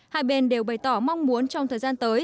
hai bên đều bày tỏ mong muốn trong thời gian tới